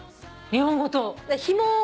日本語と。